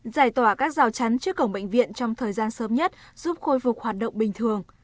giải tỏa các rào chắn trước cổng bệnh viện trong thời gian sớm nhất giúp khôi phục hoạt động bình thường